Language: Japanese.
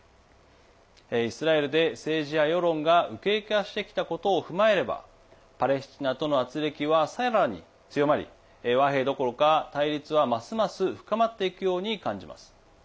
イスラエルで、政治や世論が右傾化してきたことを踏まえればパレスチナとのあつれきはさらに強まり和平どころか対立は、ますます深まっていくように感じます。